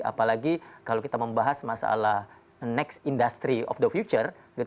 apalagi kalau kita membahas masalah next industry of the future